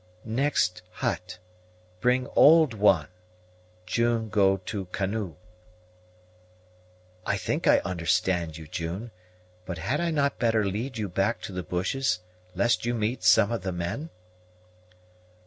"Next hut; bring old one; June go to canoe." "I think I understand you, June; but had I not better lead you back to the bushes, lest you meet some of the men?"